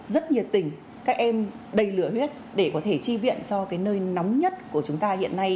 rất nhiệt tình các em đầy lửa huyết để có thể chi viện cho cái nơi nóng nhất của chúng ta hiện nay